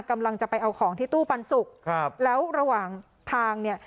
กำลังจะไปเอาของที่ตู้ปันสุกครับแล้วระหว่างทางเนี่ย